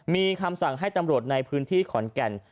มีคำสั่งให้ตำรวจในพื้นที่ขอนแก่น